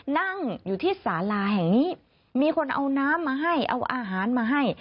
นั่งอยู่ที่สาลาแห่งนี้มีคนเอาน้ำมาให้เอาอาหารมาให้